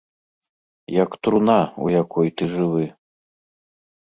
Як труна, у якой ты жывы.